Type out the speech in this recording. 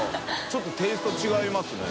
ちょっとテイスト違いますね。